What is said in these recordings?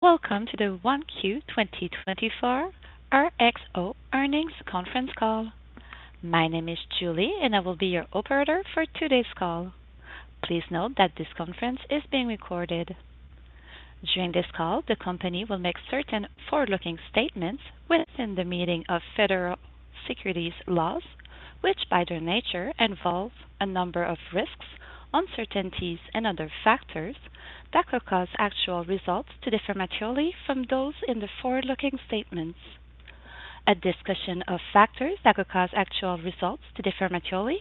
Welcome to the 1Q 2024 RXO earnings conference call. My name is Julie, and I will be your operator for today's call. Please note that this conference is being recorded. During this call, the company will make certain forward-looking statements within the meaning of federal securities laws, which, by their nature, involve a number of risks, uncertainties, and other factors that could cause actual results to differ materially from those in the forward-looking statements. A discussion of factors that could cause actual results to differ materially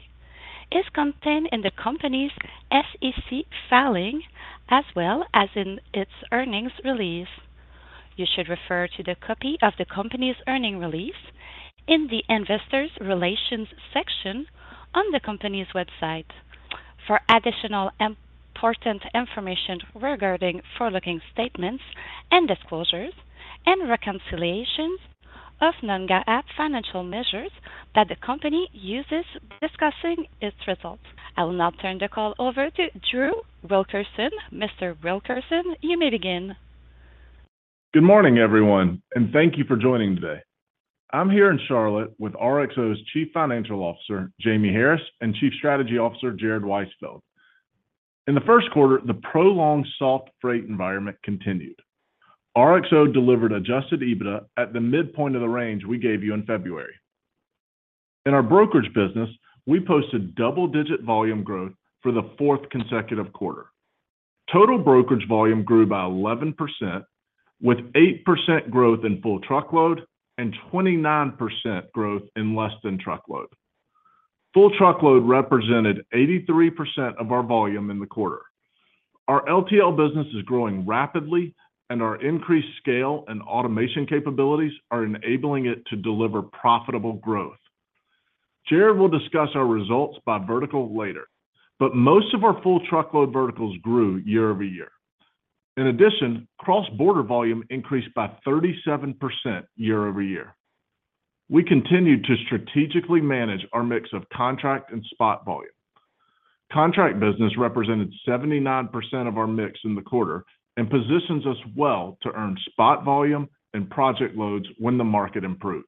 is contained in the company's SEC filing as well as in its earnings release. You should refer to the copy of the company's earnings release in the Investor Relations section on the company's website. For additional important information regarding forward-looking statements and disclosures and reconciliations of non-GAAP financial measures that the company uses discussing its results. I will now turn the call over to Drew Wilkerson. Mr. Wilkerson, you may begin. Good morning, everyone, and thank you for joining today. I'm here in Charlotte with RXO's Chief Financial Officer, Jamie Harris, and Chief Strategy Officer, Jared Weisfeld. In the first quarter, the prolonged soft freight environment continued. RXO delivered adjusted EBITDA at the midpoint of the range we gave you in February. In our brokerage business, we posted double-digit volume growth for the fourth consecutive quarter. Total brokerage volume grew by 11%, with 8% growth in full truckload and 29% growth in less-than-truckload. Full truckload represented 83% of our volume in the quarter. Our LTL business is growing rapidly, and our increased scale and automation capabilities are enabling it to deliver profitable growth. Jared will discuss our results by vertical later, but most of our full truckload verticals grew year-over-year. In addition, cross-border volume increased by 37% year-over-year. We continued to strategically manage our mix of contract and spot volume. Contract business represented 79% of our mix in the quarter and positions us well to earn spot volume and project loads when the market improves.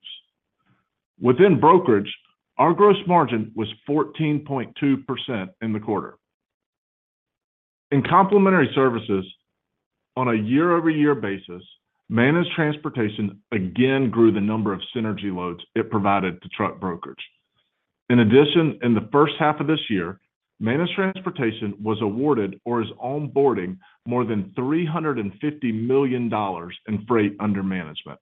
Within brokerage, our gross margin was 14.2% in the quarter. In complementary services, on a year-over-year basis, Managed Transportation again grew the number of synergy loads it provided to truck brokerage. In addition, in the first half of this year, Managed Transportation was awarded or is onboarding more than $350 million in freight under management.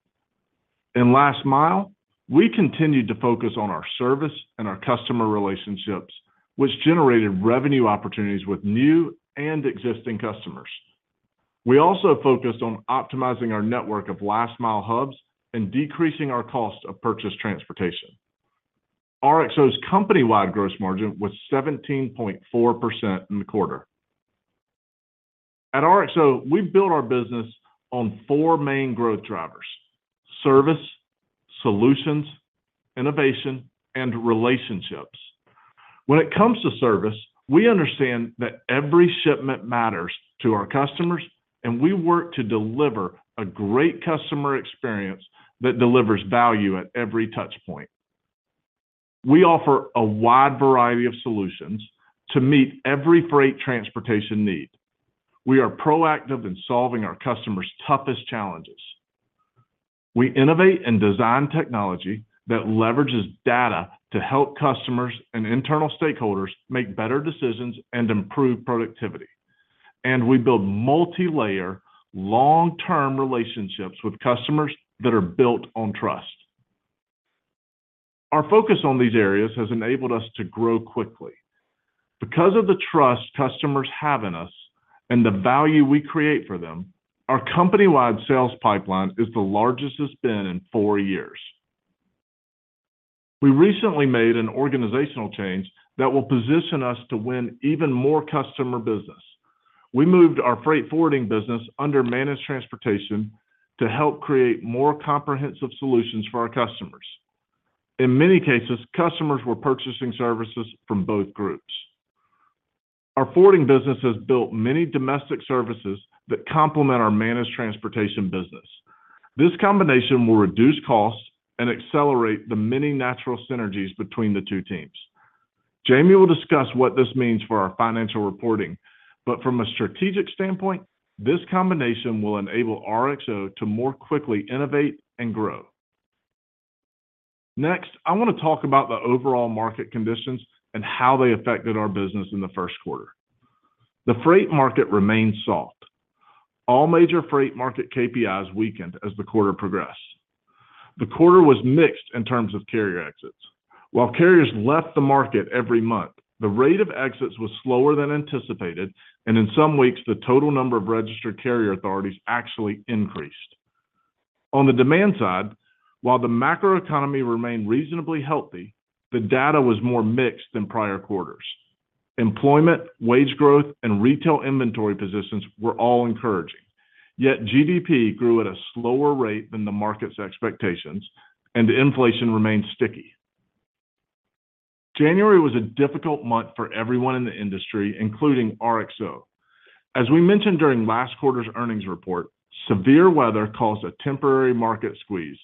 In Last Mile, we continued to focus on our service and our customer relationships, which generated revenue opportunities with new and existing customers. We also focused on optimizing our network of Last Mile hubs and decreasing our cost of purchased transportation. RXO's company-wide gross margin was 17.4% in the quarter. At RXO, we've built our business on four main growth drivers: service, solutions, innovation, and relationships. When it comes to service, we understand that every shipment matters to our customers, and we work to deliver a great customer experience that delivers value at every touch point. We offer a wide variety of solutions to meet every freight transportation need. We are proactive in solving our customers' toughest challenges. We innovate and design technology that leverages data to help customers and internal stakeholders make better decisions and improve productivity. We build multi-layer, long-term relationships with customers that are built on trust. Our focus on these areas has enabled us to grow quickly. Because of the trust customers have in us and the value we create for them, our company-wide sales pipeline is the largest it's been in four years. We recently made an organizational change that will position us to win even more customer business. We moved our Freight Forwarding business under Managed Transportation to help create more comprehensive solutions for our customers. In many cases, customers were purchasing services from both groups. Our forwarding business has built many domestic services that complement our Managed Transportation business. This combination will reduce costs and accelerate the many natural synergies between the two teams. Jamie will discuss what this means for our financial reporting, but from a strategic standpoint, this combination will enable RXO to more quickly innovate and grow. Next, I want to talk about the overall market conditions and how they affected our business in the first quarter. The freight market remained soft. All major freight market KPIs weakened as the quarter progressed. The quarter was mixed in terms of carrier exits. While carriers left the market every month, the rate of exits was slower than anticipated, and in some weeks, the total number of registered carrier authorities actually increased. On the demand side, while the macroeconomy remained reasonably healthy, the data was more mixed than prior quarters. Employment, wage growth, and retail inventory positions were all encouraging. Yet GDP grew at a slower rate than the market's expectations, and inflation remained sticky. ... January was a difficult month for everyone in the industry, including RXO. As we mentioned during last quarter's earnings report, severe weather caused a temporary market squeeze.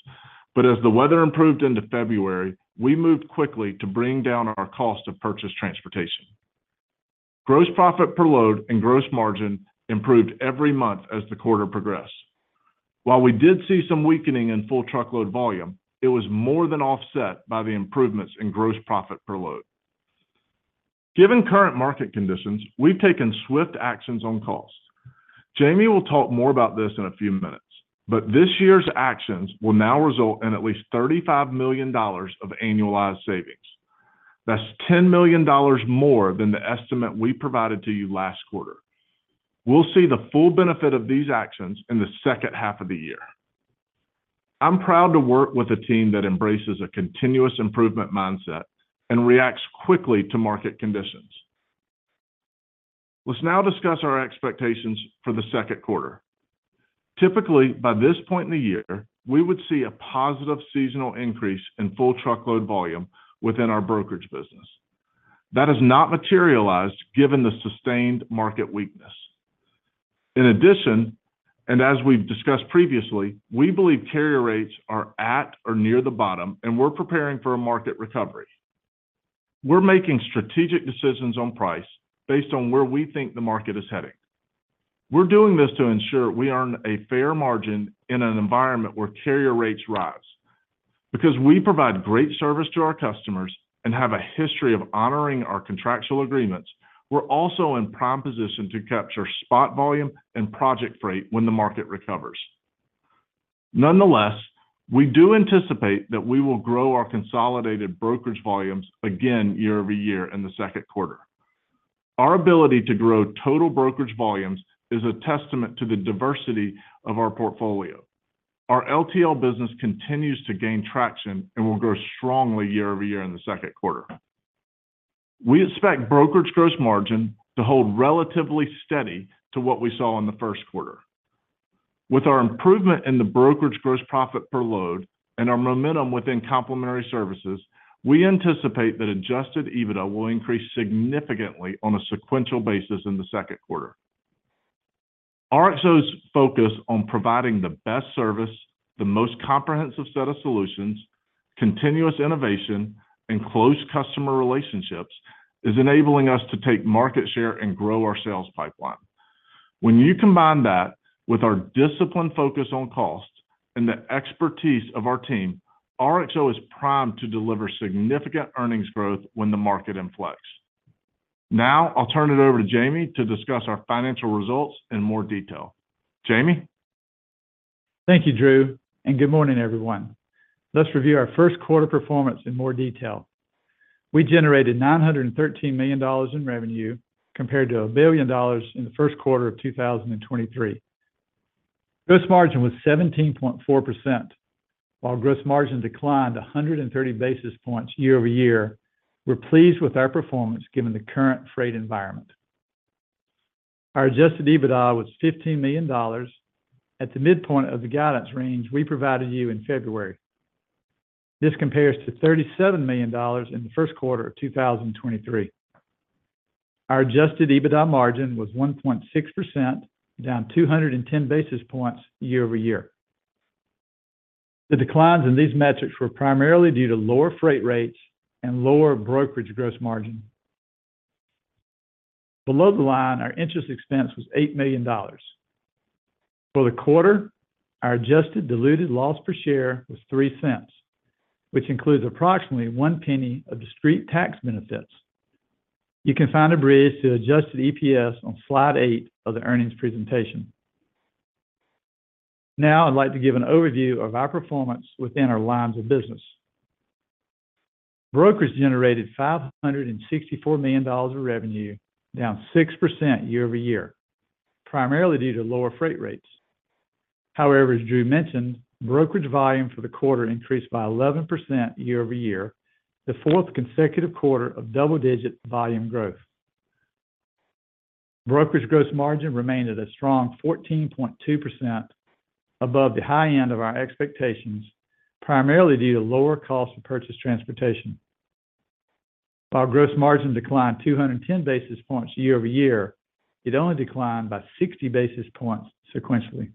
But as the weather improved into February, we moved quickly to bring down our cost of purchased transportation. Gross profit per load and gross margin improved every month as the quarter progressed. While we did see some weakening in full truckload volume, it was more than offset by the improvements in gross profit per load. Given current market conditions, we've taken swift actions on costs. Jamie will talk more about this in a few minutes, but this year's actions will now result in at least $35 million of annualized savings. That's $10 million more than the estimate we provided to you last quarter. We'll see the full benefit of these actions in the second half of the year. I'm proud to work with a team that embraces a continuous improvement mindset and reacts quickly to market conditions. Let's now discuss our expectations for the second quarter. Typically, by this point in the year, we would see a positive seasonal increase in Full Truckload volume within our brokerage business. That has not materialized given the sustained market weakness. In addition, and as we've discussed previously, we believe carrier rates are at or near the bottom, and we're preparing for a market recovery. We're making strategic decisions on price based on where we think the market is heading. We're doing this to ensure we earn a fair margin in an environment where carrier rates rise. Because we provide great service to our customers and have a history of honoring our contractual agreements, we're also in prime position to capture spot volume and project freight when the market recovers. Nonetheless, we do anticipate that we will grow our consolidated brokerage volumes again year-over-year in the second quarter. Our ability to grow total brokerage volumes is a testament to the diversity of our portfolio. Our LTL business continues to gain traction and will grow strongly year-over-year in the second quarter. We expect brokerage gross margin to hold relatively steady to what we saw in the first quarter. With our improvement in the brokerage gross profit per load and our momentum within complementary services, we anticipate that Adjusted EBITDA will increase significantly on a sequential basis in the second quarter. RXO's focus on providing the best service, the most comprehensive set of solutions, continuous innovation, and close customer relationships, is enabling us to take market share and grow our sales pipeline. When you combine that with our disciplined focus on costs and the expertise of our team, RXO is primed to deliver significant earnings growth when the market influx. Now, I'll turn it over to Jamie to discuss our financial results in more detail. Jamie? Thank you, Drew, and good morning, everyone. Let's review our first quarter performance in more detail. We generated $913 million in revenue, compared to $1 billion in the first quarter of 2023. Gross margin was 17.4%, while gross margin declined 130 basis points year-over-year. We're pleased with our performance, given the current freight environment. Our Adjusted EBITDA was $15 million at the midpoint of the guidance range we provided you in February. This compares to $37 million in the first quarter of 2023. Our Adjusted EBITDA margin was 1.6%, down 210 basis points year-over-year. The declines in these metrics were primarily due to lower freight rates and lower brokerage gross margin. Below the line, our interest expense was $8 million. For the quarter, our adjusted diluted loss per share was $0.03, which includes approximately $0.01 of discrete tax benefits. You can find a bridge to adjusted EPS on slide 8 of the earnings presentation. Now, I'd like to give an overview of our performance within our lines of business. Brokerage generated $564 million of revenue, down 6% year-over-year, primarily due to lower freight rates. However, as Drew mentioned, brokerage volume for the quarter increased by 11% year-over-year, the fourth consecutive quarter of double-digit volume growth. Brokerage gross margin remained at a strong 14.2% above the high end of our expectations, primarily due to lower cost of purchased transportation. While gross margin declined 210 basis points year-over-year, it only declined by 60 basis points sequentially.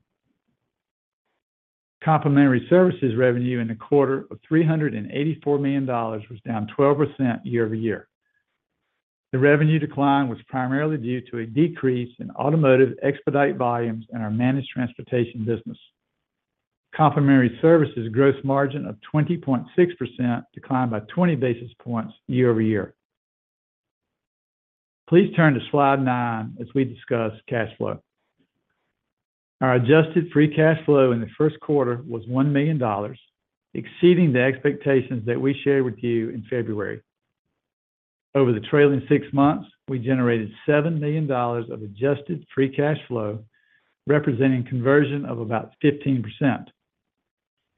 Complementary services revenue in the quarter of $384 million was down 12% year-over-year. The revenue decline was primarily due to a decrease in automotive expedite volumes in our Managed Transportation business. Complementary services gross margin of 20.6% declined by 20 basis points year-over-year. Please turn to slide 9 as we discuss cash flow. Our adjusted free cash flow in the first quarter was $1 million, exceeding the expectations that we shared with you in February. Over the trailing six months, we generated $7 million of adjusted free cash flow, representing conversion of about 15%.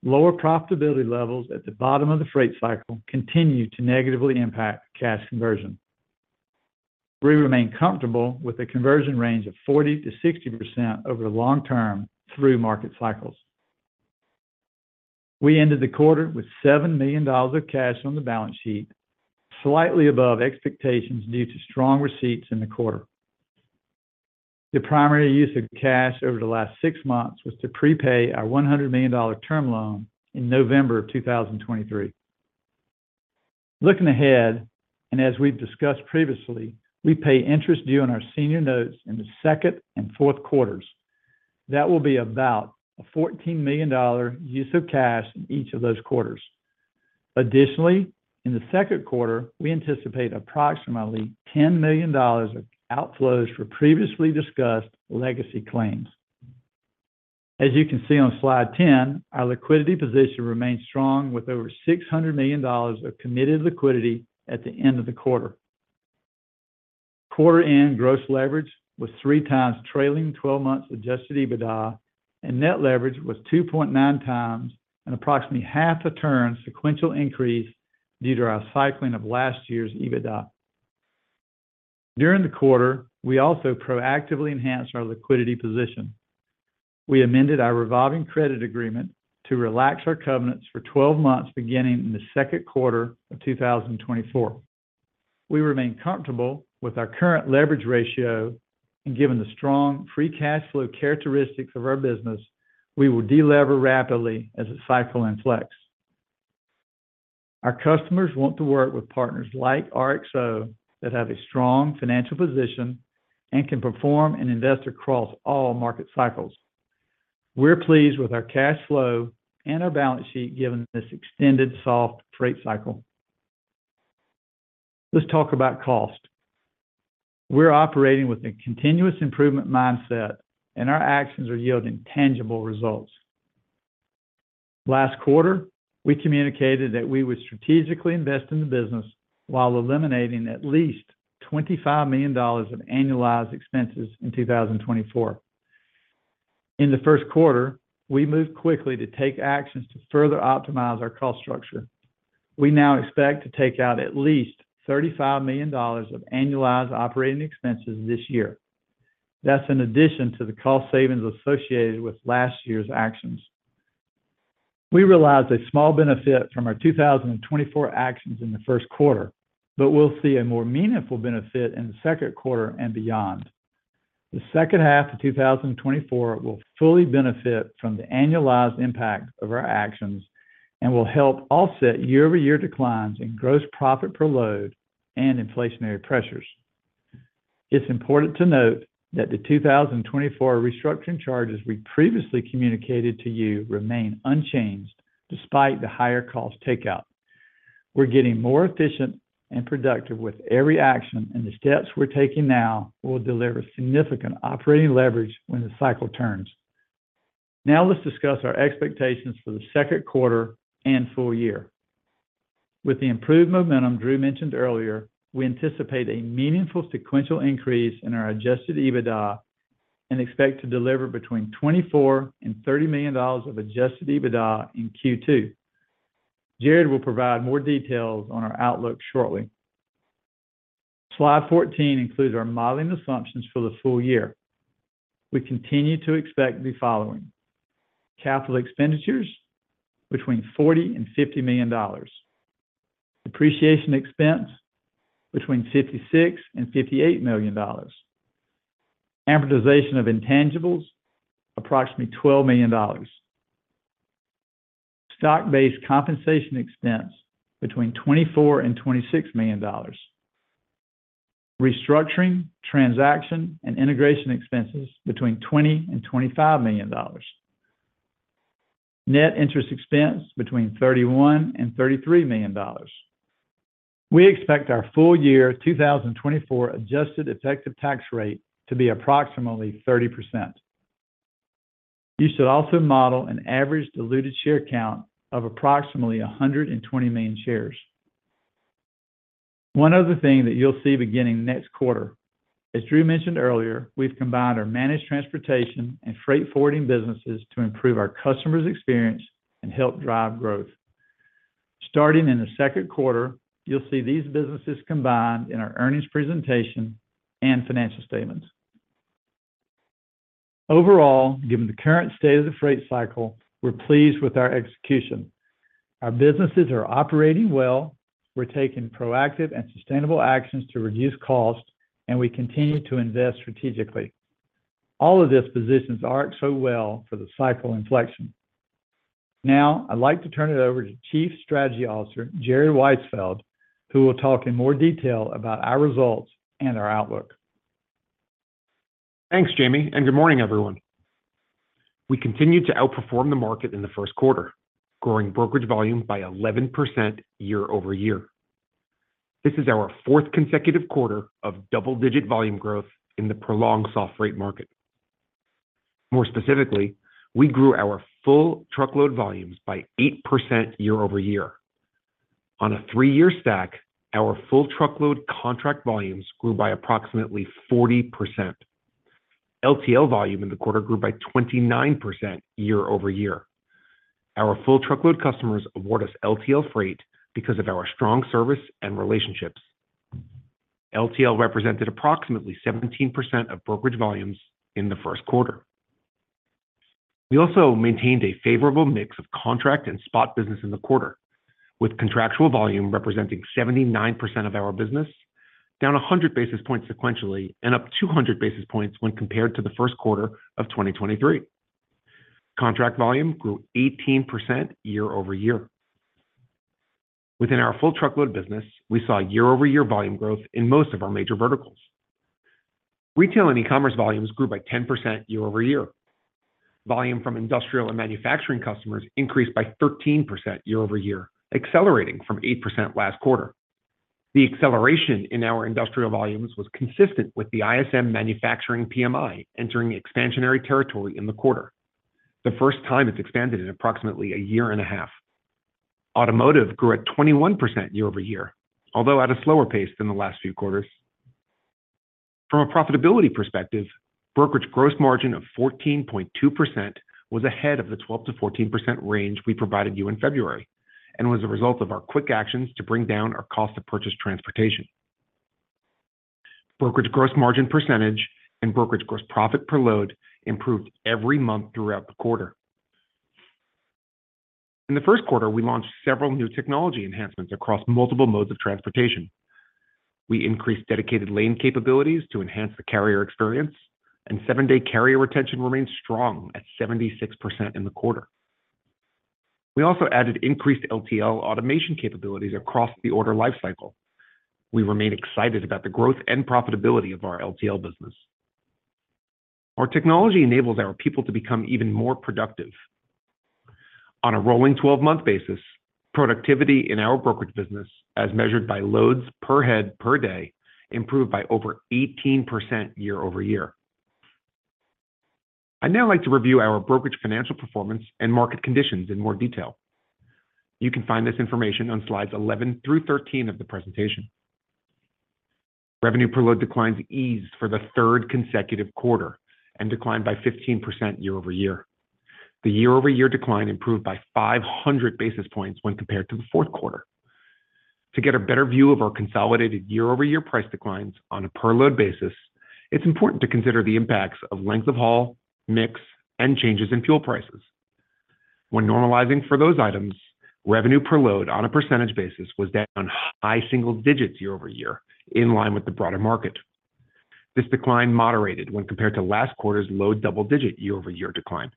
Lower profitability levels at the bottom of the freight cycle continue to negatively impact cash conversion. We remain comfortable with a conversion range of 40%-60% over the long term through market cycles.... We ended the quarter with $7 million of cash on the balance sheet, slightly above expectations due to strong receipts in the quarter. The primary use of cash over the last six months was to prepay our $100 million term loan in November 2023. Looking ahead, and as we've discussed previously, we pay interest due on our senior notes in the second and fourth quarters. That will be about a $14 million use of cash in each of those quarters. Additionally, in the second quarter, we anticipate approximately $10 million of outflows for previously discussed legacy claims. As you can see on slide 10, our liquidity position remains strong, with over $600 million of committed liquidity at the end of the quarter. Quarter-end gross leverage was 3x trailing 12 months Adjusted EBITDA, and net leverage was 2.9x, and approximately half the turn sequential increase due to our cycling of last year's EBITDA. During the quarter, we also proactively enhanced our liquidity position. We amended our revolving credit agreement to relax our covenants for 12 months, beginning in the second quarter of 2024. We remain comfortable with our current leverage ratio, and given the strong free cash flow characteristics of our business, we will de-lever rapidly as the cycle inflects. Our customers want to work with partners like RXO that have a strong financial position and can perform and invest across all market cycles. We're pleased with our cash flow and our balance sheet, given this extended soft freight cycle. Let's talk about cost. We're operating with a continuous improvement mindset, and our actions are yielding tangible results. Last quarter, we communicated that we would strategically invest in the business while eliminating at least $25 million of annualized expenses in 2024. In the first quarter, we moved quickly to take actions to further optimize our cost structure. We now expect to take out at least $35 million of annualized operating expenses this year. That's in addition to the cost savings associated with last year's actions. We realized a small benefit from our 2024 actions in the first quarter, but we'll see a more meaningful benefit in the second quarter and beyond. The second half of 2024 will fully benefit from the annualized impact of our actions and will help offset year-over-year declines in gross profit per load and inflationary pressures. It's important to note that the 2024 restructuring charges we previously communicated to you remain unchanged despite the higher cost takeout. We're getting more efficient and productive with every action, and the steps we're taking now will deliver significant operating leverage when the cycle turns. Now, let's discuss our expectations for the second quarter and full year. With the improved momentum Drew mentioned earlier, we anticipate a meaningful sequential increase in our Adjusted EBITDA and expect to deliver between $24 million and $30 million of Adjusted EBITDA in Q2. Jared will provide more details on our outlook shortly. Slide 14 includes our modeling assumptions for the full year. We continue to expect the following: capital expenditures between $40 million-$50 million, depreciation expense between $56 million-$58 million, amortization of intangibles approximately $12 million, stock-based compensation expense between $24 million-$26 million, restructuring, transaction, and integration expenses between $20 million-$25 million, net interest expense between $31 million-$33 million. We expect our full year 2024 adjusted effective tax rate to be approximately 30%. You should also model an average diluted share count of approximately 120 million shares. One other thing that you'll see beginning next quarter. As Drew mentioned earlier, we've combined our Managed Transportation and freight forwarding businesses to improve our customers' experience and help drive growth. Starting in the second quarter, you'll see these businesses combined in our earnings presentation and financial statements. Overall, given the current state of the freight cycle, we're pleased with our execution. Our businesses are operating well. We're taking proactive and sustainable actions to reduce costs, and we continue to invest strategically. All of this positions RXO well for the cycle inflection. Now, I'd like to turn it over to Chief Strategy Officer, Jared Weisfeld, who will talk in more detail about our results and our outlook. Thanks, Jamie, and good morning, everyone. We continued to outperform the market in the first quarter, growing brokerage volume by 11% year-over-year. This is our fourth consecutive quarter of double-digit volume growth in the prolonged soft freight market. More specifically, we grew our full truckload volumes by 8% year-over-year. On a three-year stack, our full truckload contract volumes grew by approximately 40%. LTL volume in the quarter grew by 29% year-over-year. Our full truckload customers award us LTL freight because of our strong service and relationships. LTL represented approximately 17% of brokerage volumes in the first quarter. We also maintained a favorable mix of contract and spot business in the quarter, with contractual volume representing 79% of our business, down 100 basis points sequentially, and up 200 basis points when compared to the first quarter of 2023. Contract volume grew 18% year-over-year. Within our full truckload business, we saw year-over-year volume growth in most of our major verticals. Retail and e-commerce volumes grew by 10% year-over-year. Volume from industrial and manufacturing customers increased by 13% year-over-year, accelerating from 8% last quarter. The acceleration in our industrial volumes was consistent with the ISM Manufacturing PMI, entering expansionary territory in the quarter, the first time it's expanded in approximately a year and a half. Automotive grew at 21% year-over-year, although at a slower pace than the last few quarters. From a profitability perspective, brokerage gross margin of 14.2% was ahead of the 12%-14% range we provided you in February and was a result of our quick actions to bring down our cost of purchased transportation. Brokerage gross margin percentage and brokerage gross profit per load improved every month throughout the quarter. In the first quarter, we launched several new technology enhancements across multiple modes of transportation. We increased dedicated lane capabilities to enhance the carrier experience, and seven-day carrier retention remains strong at 76% in the quarter. We also added increased LTL automation capabilities across the order life cycle. We remain excited about the growth and profitability of our LTL business. Our technology enables our people to become even more productive. On a rolling 12-month basis, productivity in our brokerage business, as measured by loads per head per day, improved by over 18% year-over-year. I'd now like to review our brokerage financial performance and market conditions in more detail. You can find this information on slides 11 through 13 of the presentation. Revenue per load declines eased for the third consecutive quarter and declined by 15% year-over-year. The year-over-year decline improved by 500 basis points when compared to the fourth quarter. To get a better view of our consolidated year-over-year price declines on a per load basis, it's important to consider the impacts of length of haul, mix, and changes in fuel prices. When normalizing for those items, revenue per load on a percentage basis was down high single digits year-over-year, in line with the broader market. This decline moderated when compared to last quarter's low double-digit year-over-year decline.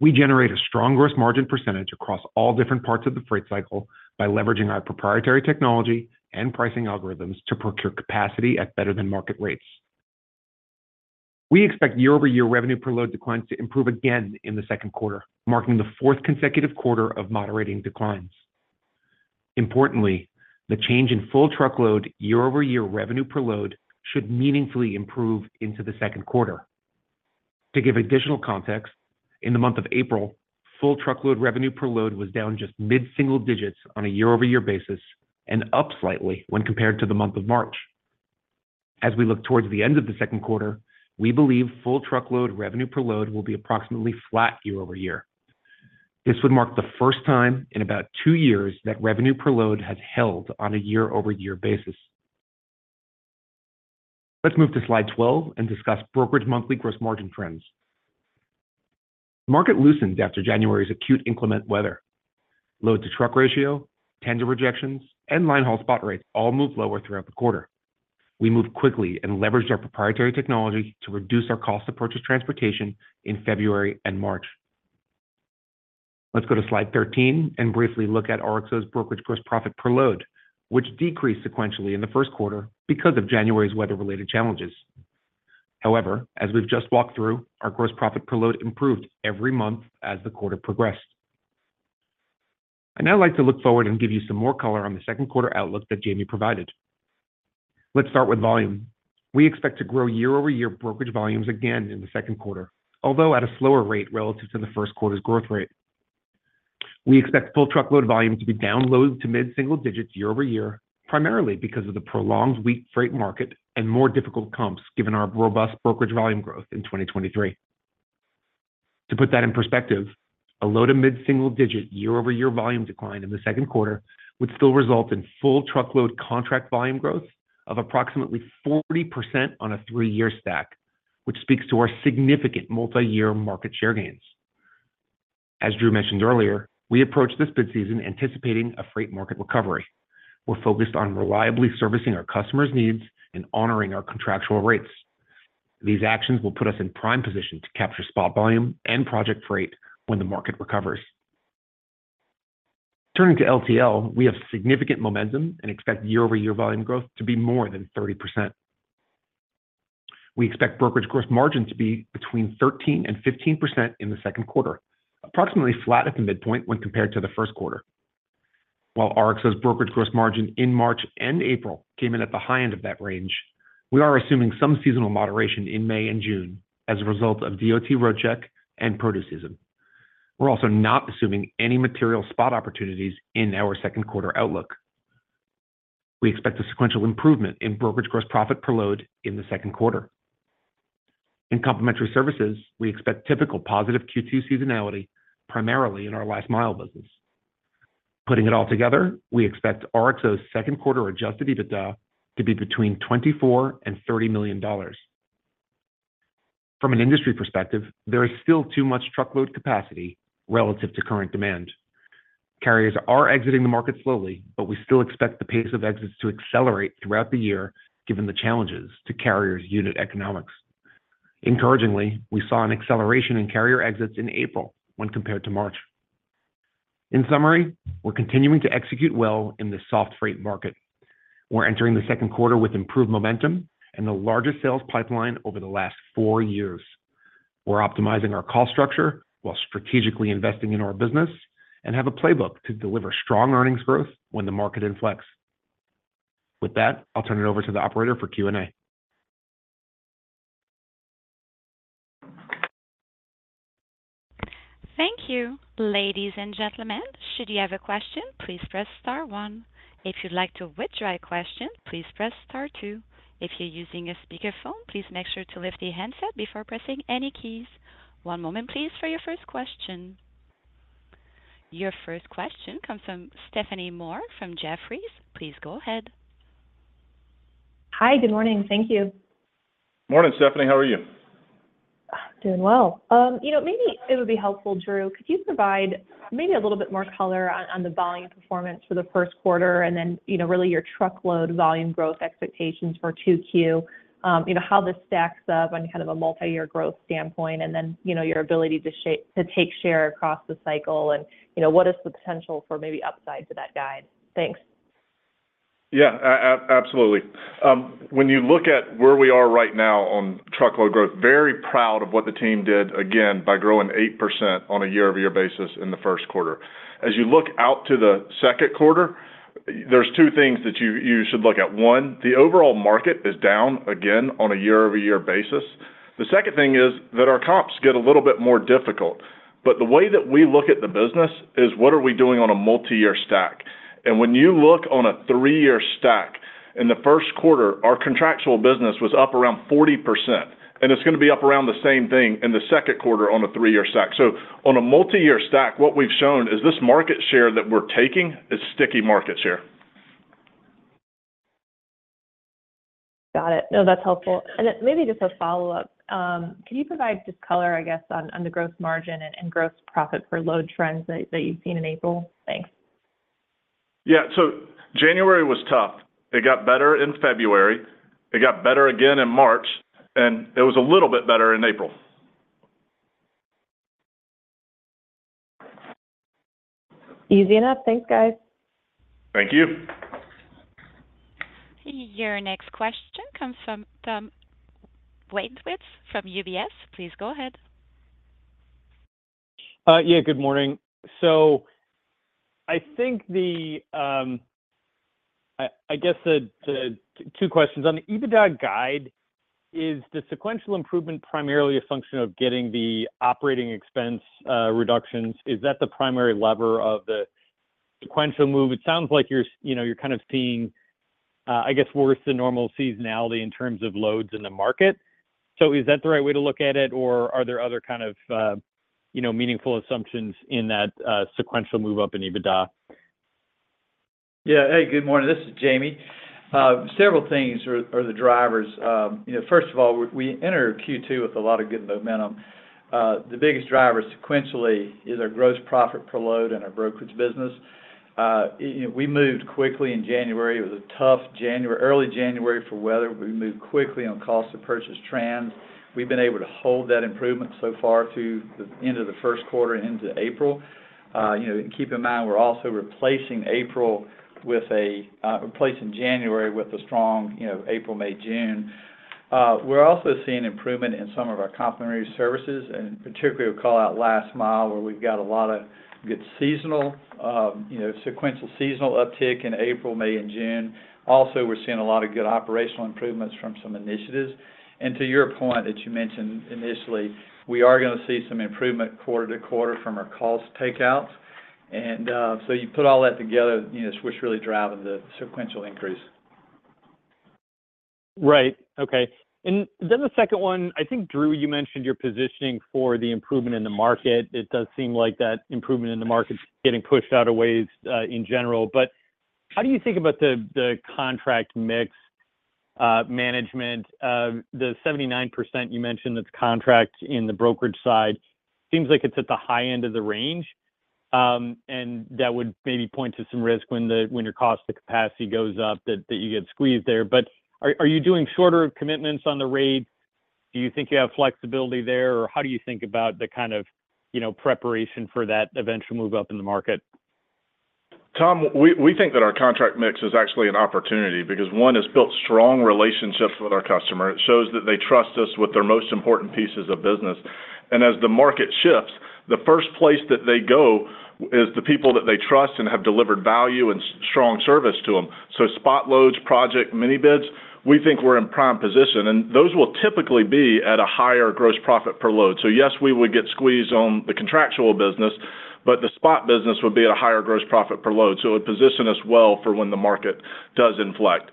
We generate a strong gross margin percentage across all different parts of the freight cycle by leveraging our proprietary technology and pricing algorithms to procure capacity at better-than-market rates. We expect year-over-year revenue per load declines to improve again in the second quarter, marking the fourth consecutive quarter of moderating declines. Importantly, the change in full truckload year-over-year revenue per load should meaningfully improve into the second quarter. To give additional context, in the month of April, full truckload revenue per load was down just mid-single digits on a year-over-year basis and up slightly when compared to the month of March. As we look towards the end of the second quarter, we believe full truckload revenue per load will be approximately flat year-over-year. This would mark the first time in about two years that revenue per load has held on a year-over-year basis. Let's move to slide 12 and discuss brokerage monthly gross margin trends. The market loosened after January's acute inclement weather. Load-to-truck ratio, tender rejections, and line haul spot rates all moved lower throughout the quarter. We moved quickly and leveraged our proprietary technology to reduce our cost of purchased transportation in February and March. Let's go to slide 13 and briefly look at RXO's brokerage gross profit per load, which decreased sequentially in the first quarter because of January's weather-related challenges. However, as we've just walked through, our gross profit per load improved every month as the quarter progressed. I'd now like to look forward and give you some more color on the second quarter outlook that Jamie provided. Let's start with volume. We expect to grow year-over-year brokerage volumes again in the second quarter, although at a slower rate relative to the first quarter's growth rate. We expect full truckload volume to be down low- to mid-single digits year-over-year, primarily because of the prolonged weak freight market and more difficult comps, given our robust brokerage volume growth in 2023. To put that in perspective, a low- to mid-single-digit year-over-year volume decline in the second quarter would still result in full truckload contract volume growth of approximately 40% on a three-year stack, which speaks to our significant multiyear market share gains. As Drew mentioned earlier, we approached this bid season anticipating a freight market recovery. We're focused on reliably servicing our customers' needs and honoring our contractual rates. These actions will put us in prime position to capture spot volume and project freight when the market recovers. Turning to LTL, we have significant momentum and expect year-over-year volume growth to be more than 30%. We expect brokerage gross margin to be between 13% and 15% in the second quarter, approximately flat at the midpoint when compared to the first quarter. While RXO's brokerage gross margin in March and April came in at the high end of that range, we are assuming some seasonal moderation in May and June as a result of DOT Roadcheck and produce season. We're also not assuming any material spot opportunities in our second quarter outlook. We expect a sequential improvement in brokerage gross profit per load in the second quarter. In Complimentary Services, we expect typical positive Q2 seasonality, primarily in our last mile business. Putting it all together, we expect RXO's second quarter Adjusted EBITDA to be between $24 million and $30 million. From an industry perspective, there is still too much truckload capacity relative to current demand. Carriers are exiting the market slowly, but we still expect the pace of exits to accelerate throughout the year, given the challenges to carriers' unit economics. Encouragingly, we saw an acceleration in carrier exits in April when compared to March. In summary, we're continuing to execute well in this soft freight market. We're entering the second quarter with improved momentum and the largest sales pipeline over the last four years. We're optimizing our cost structure while strategically investing in our business and have a playbook to deliver strong earnings growth when the market inflex. With that, I'll turn it over to the operator for Q&A. Thank you. Ladies and gentlemen, should you have a question, please press star one. If you'd like to withdraw your question, please press star two. If you're using a speakerphone, please make sure to lift the handset before pressing any keys. One moment please, for your first question. Your first question comes from Stephanie Moore from Jefferies. Please go ahead. Hi, good morning. Thank you. Morning, Stephanie. How are you? Doing well. You know, maybe it would be helpful, Drew, could you provide maybe a little bit more color on the volume performance for the first quarter, and then, you know, really, your truckload volume growth expectations for 2Q? You know, how this stacks up on kind of a multi-year growth standpoint, and then, you know, your ability to shape to take share across the cycle, and, you know, what is the potential for maybe upside to that guide? Thanks. Yeah, absolutely. When you look at where we are right now on truckload growth, very proud of what the team did, again, by growing 8% on a year-over-year basis in the first quarter. As you look out to the second quarter, there's two things that you should look at. One, the overall market is down again on a year-over-year basis. The second thing is that our comps get a little bit more difficult. But the way that we look at the business is, what are we doing on a multi-year stack? And when you look on a three-year stack, in the first quarter, our contractual business was up around 40%, and it's going to be up around the same thing in the second quarter on a three-year stack. On a multi-year stack, what we've shown is this market share that we're taking is sticky market share. Got it. No, that's helpful. And then maybe just a follow-up. Can you provide just color, I guess, on the gross margin and gross profit for load trends that you've seen in April? Thanks. Yeah. January was tough. It got better in February, it got better again in March, and it was a little bit better in April. Easy enough. Thanks, guys. Thank you. Your next question comes from Tom Wadewitz from UBS. Please go ahead. Yeah, good morning. So I think the two questions. On the EBITDA guide, is the sequential improvement primarily a function of getting the operating expense reductions? Is that the primary lever of the sequential move? It sounds like you're, you know, you're kind of seeing, I guess, worse than normal seasonality in terms of loads in the market. So is that the right way to look at it, or are there other kind of, you know, meaningful assumptions in that sequential move up in EBITDA? Yeah. Hey, good morning. This is Jamie. Several things are the drivers. You know, first of all, we entered Q2 with a lot of good momentum. The biggest driver sequentially is our gross profit per load and our brokerage business. You know, we moved quickly in January. It was a tough January, early January for weather. We moved quickly on cost of purchased transportation. We've been able to hold that improvement so far to the end of the first quarter into April. You know, and keep in mind, we're also replacing April with a replacing January with a strong, you know, April, May, June. We're also seeing improvement in some of our complementary services, and particularly, we call out last mile, where we've got a lot of good seasonal sequential seasonal uptick in April, May, and June. Also, we're seeing a lot of good operational improvements from some initiatives. To your point that you mentioned initially, we are going to see some improvement quarter to quarter from our cost takeouts. So you put all that together, you know, it's what's really driving the sequential increase. Right. Okay. And then the second one, I think, Drew, you mentioned you're positioning for the improvement in the market. It does seem like that improvement in the market is getting pushed out a ways, in general, but how do you think about the contract mix management? The 79% you mentioned, that's contract in the brokerage side, seems like it's at the high end of the range, and that would maybe point to some risk when when your cost to capacity goes up, that you get squeezed there. But are you doing shorter commitments on the rate? Do you think you have flexibility there, or how do you think about the kind of, you know, preparation for that eventual move up in the market? Tom, we think that our contract mix is actually an opportunity because, one, it's built strong relationships with our customer. It shows that they trust us with their most important pieces of business. And as the market shifts, the first place that they go is the people that they trust and have delivered value and strong service to them. So spot loads, project, mini bids, we think we're in prime position, and those will typically be at a higher gross profit per load. So yes, we would get squeezed on the contractual business- but the spot business would be at a higher gross profit per load, so it would position us well for when the market does inflect.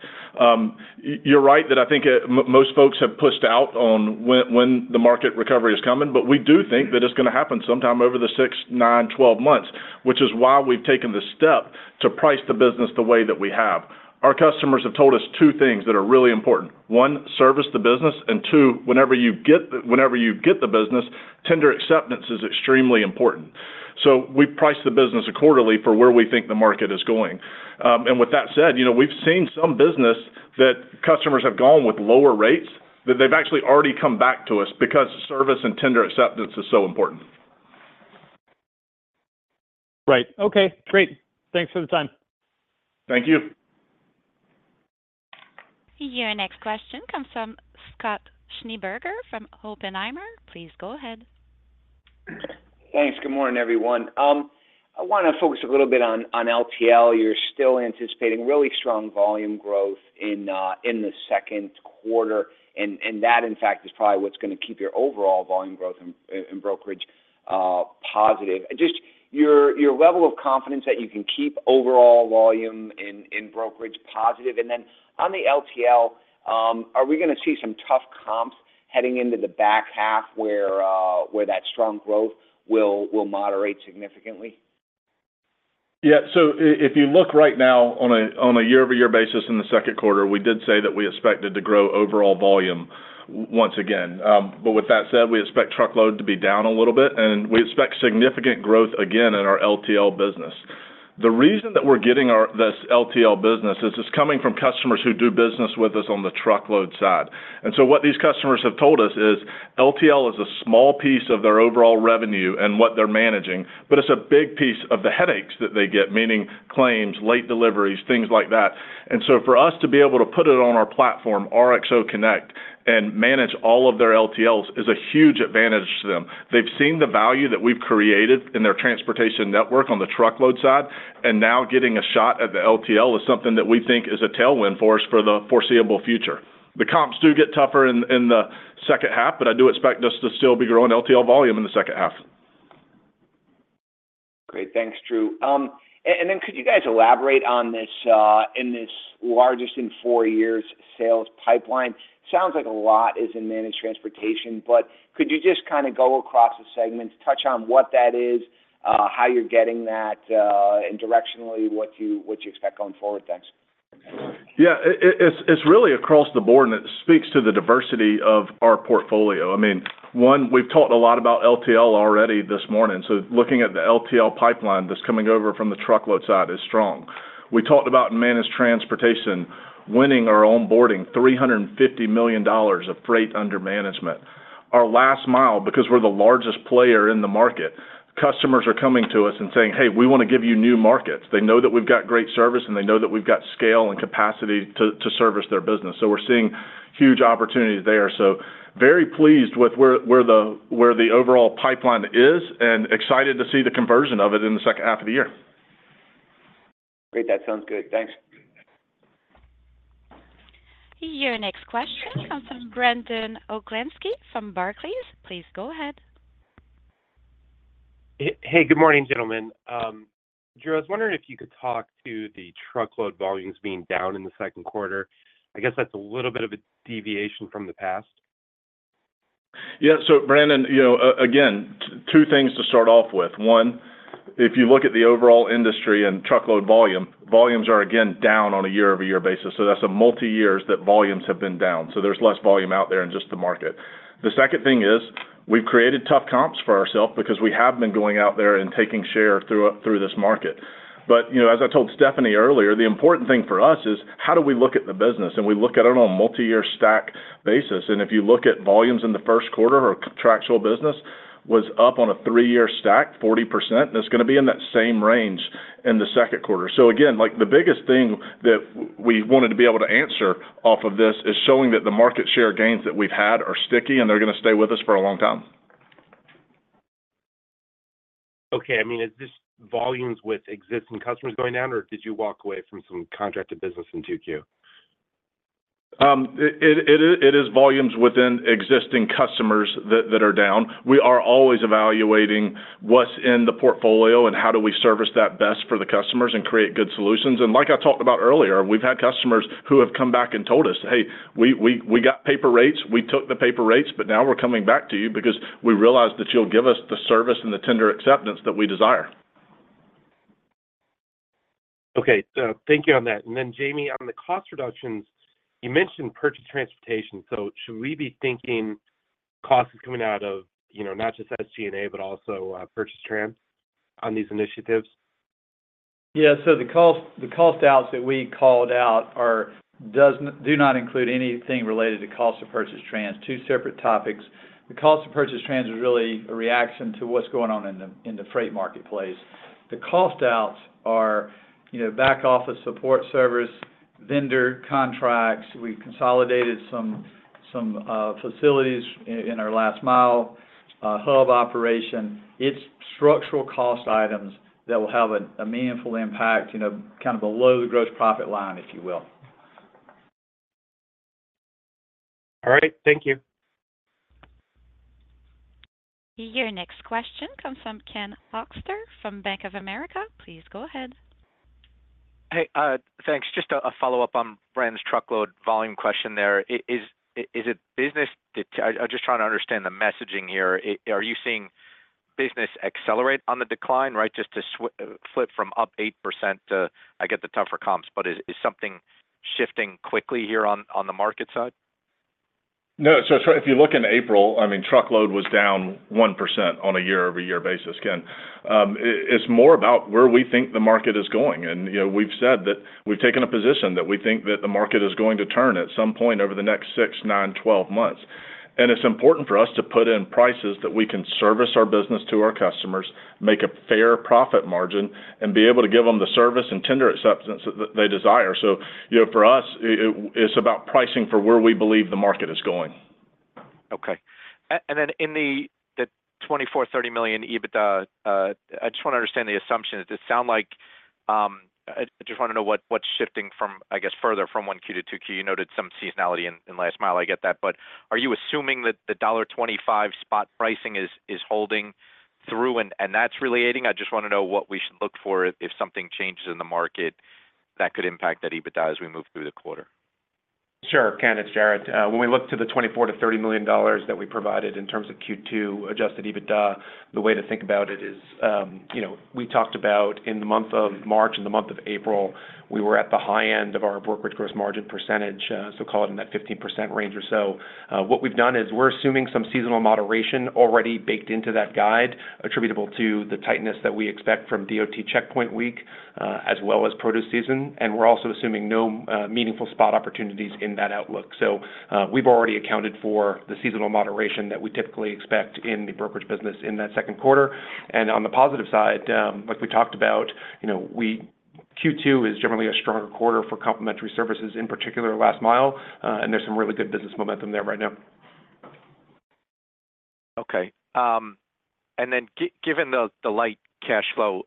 You're right, that, I think, most folks have pushed out on when, when the market recovery is coming, but we do think that it's going to happen sometime over the six, nine, 12 months, which is why we've taken the step to price the business the way that we have. Our customers have told us two things that are really important: One, service the business, and two, whenever you get the business, tender acceptance is extremely important. So we price the business accordingly for where we think the market is going. And with that said, you know, we've seen some business that customers have gone with lower rates, that they've actually already come back to us because service and tender acceptance is so important. Right. Okay, great. Thanks for the time. Thank you. Your next question comes from Scott Schneeberger from Oppenheimer. Please go ahead. Thanks. Good morning, everyone. I want to focus a little bit on LTL. You're still anticipating really strong volume growth in the second quarter, and that, in fact, is probably what's going to keep your overall volume growth in brokerage positive. Just your level of confidence that you can keep overall volume in brokerage positive. And then on the LTL, are we going to see some tough comps heading into the back half where that strong growth will moderate significantly? Yeah. So if you look right now on a, on a year-over-year basis in the second quarter, we did say that we expected to grow overall volume once again. But with that said, we expect truckload to be down a little bit, and we expect significant growth again in our LTL business. The reason that we're getting this LTL business is it's coming from customers who do business with us on the truckload side. And so what these customers have told us is LTL is a small piece of their overall revenue and what they're managing, but it's a big piece of the headaches that they get, meaning claims, late deliveries, things like that. And so for us to be able to put it on our platform, RXO Connect, and manage all of their LTLs, is a huge advantage to them. They've seen the value that we've created in their transportation network on the truckload side, and now getting a shot at the LTL is something that we think is a tailwind for us for the foreseeable future. The comps do get tougher in the second half, but I do expect us to still be growing LTL volume in the second half. Great. Thanks, Drew. And then could you guys elaborate on this largest in four years sales pipeline? Sounds like a lot is in managed transportation, but could you just kind of go across the segments, touch on what that is, how you're getting that, and directionally, what you, what you expect going forward? Thanks. Yeah. It's really across the board, and it speaks to the diversity of our portfolio. I mean, one, we've talked a lot about LTL already this morning, so looking at the LTL pipeline that's coming over from the truckload side is strong. We talked about managed transportation, winning or onboarding $350 million of freight under management. Our last mile, because we're the largest player in the market, customers are coming to us and saying, "Hey, we want to give you new markets." They know that we've got great service, and they know that we've got scale and capacity to service their business. So we're seeing huge opportunities there. So very pleased with where the overall pipeline is, and excited to see the conversion of it in the second half of the year. Great. That sounds good. Thanks. Your next question comes from Brandon Oglenski from Barclays. Please go ahead. Hey, good morning, gentlemen. Drew, I was wondering if you could talk to the truckload volumes being down in the second quarter. I guess that's a little bit of a deviation from the past. Yeah. So Brandon, you know, again, two things to start off with: One, if you look at the overall industry and truckload volume, volumes are again down on a year-over-year basis, so that's multiple years that volumes have been down, so there's less volume out there in just the market. The second thing is, we've created tough comps for ourselves because we have been going out there and taking share through, through this market. But, you know, as I told Stephanie earlier, the important thing for us is, how do we look at the business? And we look at it on a multi-year stack basis. And if you look at volumes in the first quarter, our contractual business was up on a three-year stack, 40%, and it's going to be in that same range in the second quarter. So again, like, the biggest thing that we wanted to be able to answer off of this is showing that the market share gains that we've had are sticky, and they're going to stay with us for a long time. Okay. I mean, is this volumes with existing customers going down, or did you walk away from some contracted business in 2Q? It is volumes within existing customers that are down. We are always evaluating what's in the portfolio and how do we service that best for the customers and create good solutions. And like I talked about earlier, we've had customers who have come back and told us, "Hey, we got paper rates. We took the paper rates, but now we're coming back to you because we realize that you'll give us the service and the tender acceptance that we desire. Okay. So thank you on that. And then, Jamie, on the cost reductions, you mentioned purchased transportation. So should we be thinking costs is coming out of, you know, not just SG&A, but also purchased trans on these initiatives? Yeah, so the cost, the cost outs that we called out do not include anything related to cost of purchase trans, two separate topics. The cost of purchase trans is really a reaction to what's going on in the, in the freight marketplace. The cost outs are, you know, back office support service, vendor contracts. We consolidated some, some, facilities in our last mile, hub operation. It's structural cost items that will have a, a meaningful impact, you know, kind of below the gross profit line, if you will. All right, thank you. Your next question comes from Ken Hoexter from Bank of America. Please go ahead. Hey, thanks. Just a follow-up on Brandon's truckload volume question there. Is it business that—I'm just trying to understand the messaging here. Is—are you seeing business accelerate on the decline, right? Just to flip from up 8% to, I get the tougher comps, but is something shifting quickly here on the market side? No. So if you look in April, I mean, truckload was down 1% on a year-over-year basis, Ken. It's more about where we think the market is going. And, you know, we've said that we've taken a position that we think that the market is going to turn at some point over the next six, nine, twelve months. And it's important for us to put in prices that we can service our business to our customers, make a fair profit margin, and be able to give them the service and tender acceptance that they desire. So, you know, for us, it's about pricing for where we believe the market is going. Okay. And then in the $24-$30 million EBITDA, I just want to understand the assumption. It sound like, I just want to know what, what's shifting from, I guess, further from Q1 to Q2. You noted some seasonality in last mile, I get that. But are you assuming that the $25 spot pricing is holding through, and that's really aiding? I just want to know what we should look for if something changes in the market that could impact that EBITDA as we move through the quarter. Sure, Ken, it's Jared. When we look to the $24 million-$30 million that we provided in terms of Q2 adjusted EBITDA, the way to think about it is, you know, we talked about in the month of March and the month of April, we were at the high end of our brokerage gross margin percentage, so call it in that 15% range or so. What we've done is we're assuming some seasonal moderation already baked into that guide, attributable to the tightness that we expect from DOT checkpoint week, as well as produce season. And we're also assuming no meaningful spot opportunities in that outlook. So, we've already accounted for the seasonal moderation that we typically expect in the brokerage business in that second quarter. And on the positive side, like we talked about, you know, we... Q2 is generally a stronger quarter for complimentary services, in particular, last mile, and there's some really good business momentum there right now. Okay. And then given the light cash flow,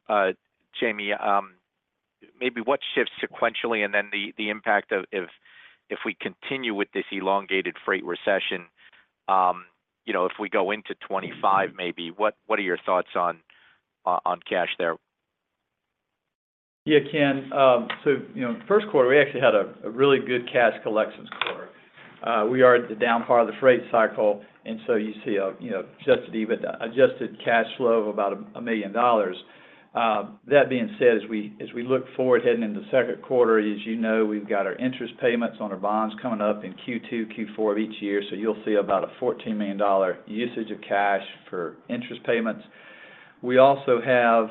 Jamie, maybe what shifts sequentially, and then the impact of if we continue with this elongated freight recession, you know, if we go into 2025, maybe, what are your thoughts on cash there? Yeah, Ken. So, you know, first quarter, we actually had a really good cash collections quarter. We are at the down part of the freight cycle, and so you see, you know, adjusted EBITDA, adjusted cash flow of about $1 million. That being said, as we look forward heading into the second quarter, as you know, we've got our interest payments on our bonds coming up in Q2, Q4 of each year, so you'll see about a $14 million usage of cash for interest payments. We also have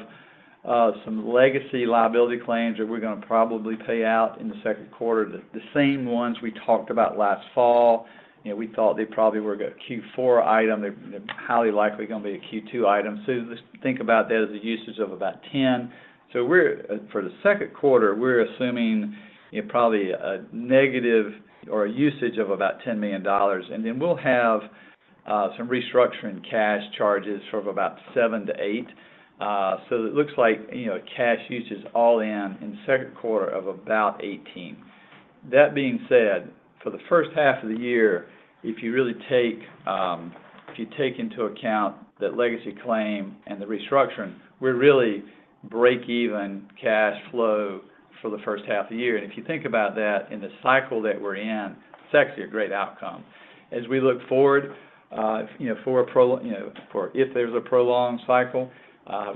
some legacy liability claims that we're going to probably pay out in the second quarter, the same ones we talked about last fall. You know, we thought they probably were a Q4 item, they're highly likely going to be a Q2 item. So just think about that as a usage of about $10 million. So we're for the second quarter, we're assuming, you know, probably a negative or a usage of about $10 million, and then we'll have some restructuring cash charges of about $7 million-$8 million. So it looks like, you know, cash usage all in, in the second quarter of about $18 million. That being said, for the first half of the year, if you really take, if you take into account that legacy claim and the restructuring, we're really break even cash flow for the first half of the year. And if you think about that in the cycle that we're in, it's actually a great outcome. As we look forward, you know, for if there's a prolonged cycle,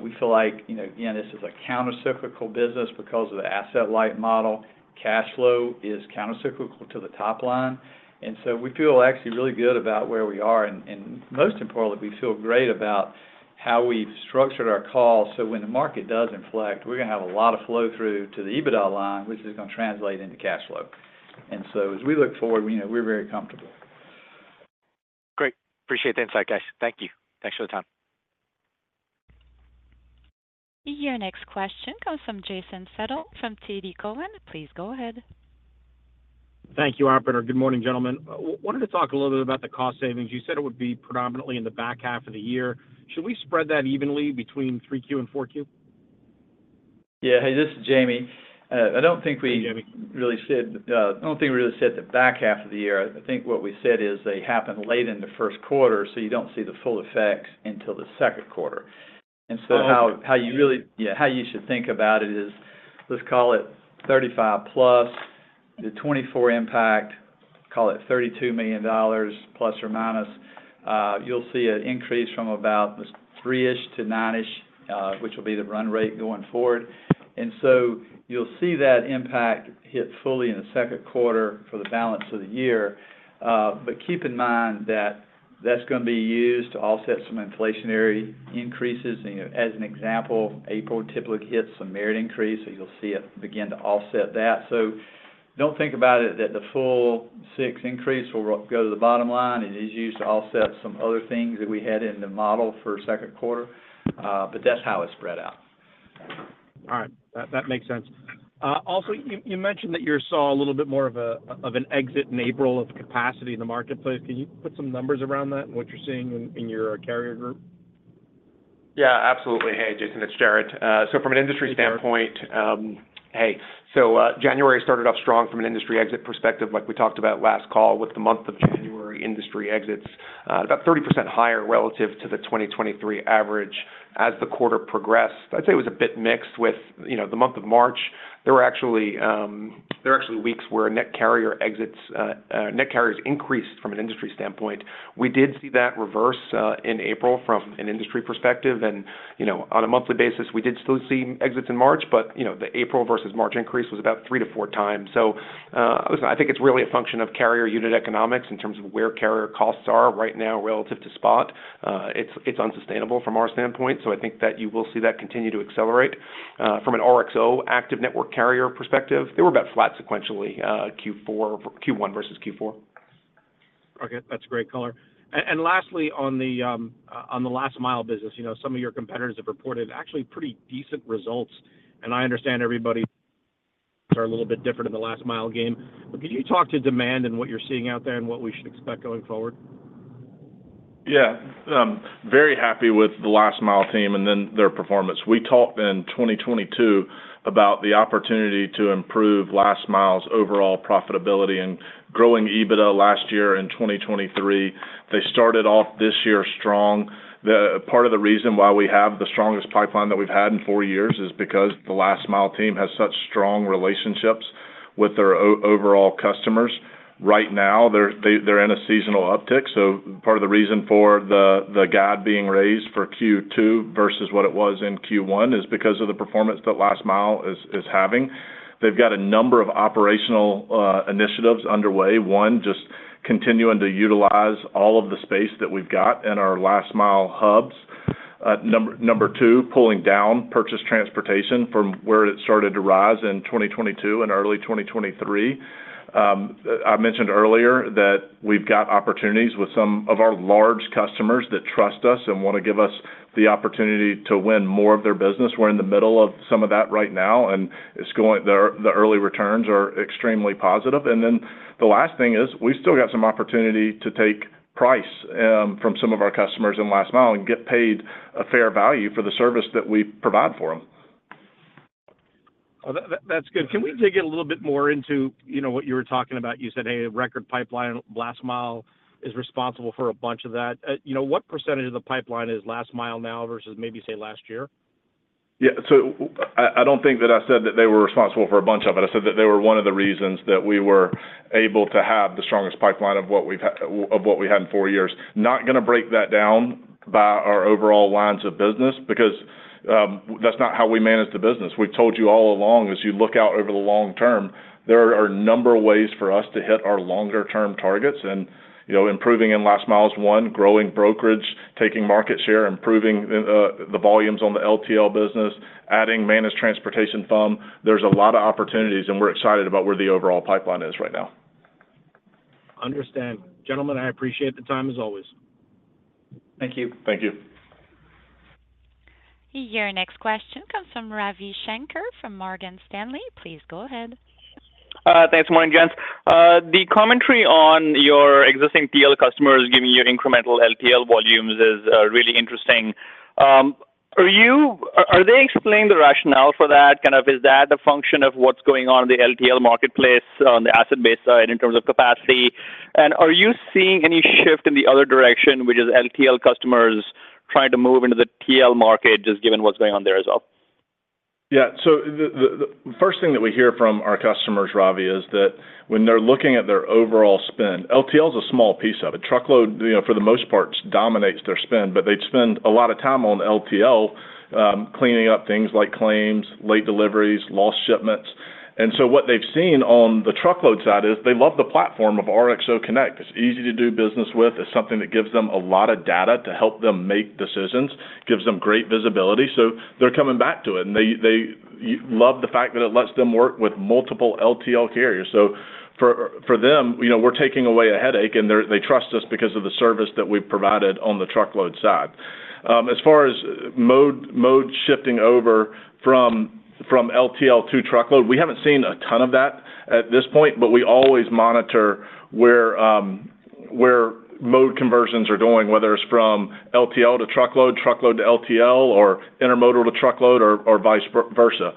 we feel like, you know, again, this is a countercyclical business because of the asset light model. Cash flow is countercyclical to the top line, and so we feel actually really good about where we are. And, and most importantly, we feel great about how we've structured our calls, so when the market does inflect, we're going to have a lot of flow through to the EBITDA line, which is going to translate into cash flow. And so as we look forward, you know, we're very comfortable. Great. Appreciate the insight, guys. Thank you. Thanks for the time. Your next question comes from Jason Seidl from TD Cowen. Please go ahead. Thank you, operator. Good morning, gentlemen. Wanted to talk a little bit about the cost savings. You said it would be predominantly in the back half of the year. Should we spread that evenly between Q3 and Q4? Yeah. Hey, this is Jamie. I don't think we- Hey, Jamie. really said, I don't think we really said the back half of the year. I think what we said is they happened late in the first quarter, so you don't see the full effect until the second quarter. Okay. And so how you really should think about it is, let's call it 35+, the 24 impact, call it $32 million, ±. You'll see an increase from about three-ish to nine-ish, which will be the run rate going forward. And so you'll see that impact hit fully in the second quarter for the balance of the year. But keep in mind that that's going to be used to offset some inflationary increases. And, you know, as an example, April typically hits some merit increase, so you'll see it begin to offset that. So don't think about it that the full six increase will go to the bottom line. It is used to offset some other things that we had in the model for second quarter, but that's how it's spread out. All right, that makes sense. Also, you mentioned that you saw a little bit more of an exit in April of capacity in the marketplace. Can you put some numbers around that, what you're seeing in your carrier group? Yeah, absolutely. Hey, Jason, it's Jared. So from an industry standpoint, January started off strong from an industry exit perspective, like we talked about last call, with the month of January industry exits about 30% higher relative to the 2023 average. As the quarter progressed, I'd say it was a bit mixed with, you know, the month of March. There were actually weeks where net carrier exits, net carriers increased from an industry standpoint. We did see that reverse in April from an industry perspective. And, you know, on a monthly basis, we did still see exits in March, but, you know, the April versus March increase was about 3-4 times. Listen, I think it's really a function of carrier unit economics in terms of where carrier costs are right now relative to spot. It's, it's unsustainable from our standpoint, so I think that you will see that continue to accelerate. From an RXO active network carrier perspective, they were about flat sequentially, Q4-Q1 versus Q4. Okay, that's a great color. And lastly, on the last mile business, you know, some of your competitors have reported actually pretty decent results, and I understand everybody are a little bit different in the last mile game. But can you talk to demand and what you're seeing out there and what we should expect going forward? Yeah. Very happy with the last mile team and then their performance. We talked in 2022 about the opportunity to improve last mile's overall profitability and growing EBITDA last year in 2023. They started off this year strong. The part of the reason why we have the strongest pipeline that we've had in four years is because the last mile team has such strong relationships with their overall customers. Right now, they're in a seasonal uptick, so part of the reason for the guide being raised for Q2 versus what it was in Q1 is because of the performance that last mile is having. They've got a number of operational initiatives underway. One, just continuing to utilize all of the space that we've got in our last mile hubs. Number, number two, pulling down purchased transportation from where it started to rise in 2022 and early 2023. I mentioned earlier that we've got opportunities with some of our large customers that trust us and want to give us the opportunity to win more of their business. We're in the middle of some of that right now, and it's going—the early returns are extremely positive. And then the last thing is, we still got some opportunity to take price from some of our customers in last mile and get paid a fair value for the service that we provide for them. Oh, that's good. Can we dig a little bit more into, you know, what you were talking about? You said, hey, a record pipeline, last mile is responsible for a bunch of that. You know, what percentage of the pipeline is last mile now versus maybe, say, last year? Yeah, so I don't think that I said that they were responsible for a bunch of it. I said that they were one of the reasons that we were able to have the strongest pipeline of what we had in four years. Not gonna break that down by our overall lines of business, because that's not how we manage the business. We've told you all along, as you look out over the long term, there are a number of ways for us to hit our longer-term targets. And, you know, improving in last mile is one, growing brokerage, taking market share, improving the volumes on the LTL business, adding managed transportation too. There's a lot of opportunities, and we're excited about where the overall pipeline is right now. Understand. Gentlemen, I appreciate the time, as always. Thank you. Thank you. Your next question comes from Ravi Shanker, from Morgan Stanley. Please go ahead. Thanks, morning, gents. The commentary on your existing TL customers giving you incremental LTL volumes is really interesting. Are they explaining the rationale for that? Kind of, is that a function of what's going on in the LTL marketplace, on the asset base side, in terms of capacity? Are you seeing any shift in the other direction, which is LTL customers trying to move into the TL market, just given what's going on there as well? Yeah, so the first thing that we hear from our customers, Ravi, is that when they're looking at their overall spend, LTL is a small piece of it. Truckload, you know, for the most part, dominates their spend, but they'd spend a lot of time on LTL, cleaning up things like claims, late deliveries, lost shipments. And so what they've seen on the truckload side is they love the platform of RXO Connect. It's easy to do business with. It's something that gives them a lot of data to help them make decisions, gives them great visibility, so they're coming back to it, and they love the fact that it lets them work with multiple LTL carriers. So for them, you know, we're taking away a headache, and they trust us because of the service that we've provided on the truckload side. As far as mode, mode shifting over from, from LTL to truckload, we haven't seen a ton of that at this point, but we always monitor where, where mode conversions are going, whether it's from LTL to truckload, truckload to LTL, or intermodal to truckload, or, vice versa.